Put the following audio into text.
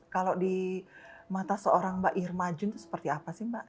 kalau di mata seorang mbak irma jun itu seperti apa sih mbak